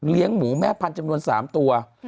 หมูแม่พันธุ์จำนวน๓ตัว